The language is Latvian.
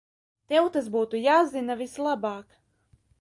Tev tas būtu jāzina vislabāk.